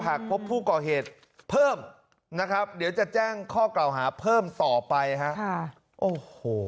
หากพบผู้ก่อเหตุเพิ่มนะครับเดี๋ยวจะแจ้งข้อกล่าวหาเพิ่มต่อไปฮะโอ้โห